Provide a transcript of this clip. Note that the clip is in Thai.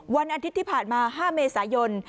วันอาทิตย์ที่ผ่านมา๕เมษายน